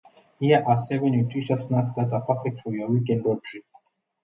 Here are seven nutritious snacks that are Perfect for your weekend road trip